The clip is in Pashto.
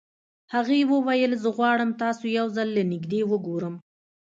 هغې وويل زه غواړم تاسو يو ځل له نږدې وګورم.